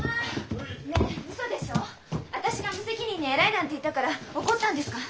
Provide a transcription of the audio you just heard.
私が無責任に「偉い」なんて言ったから怒ったんですか？